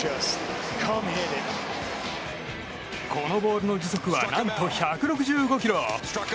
このボールの時速は何と１６５キロ。